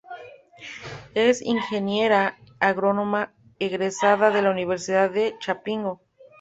Es ingeniera agrónoma egresada de la Universidad de Chapingo.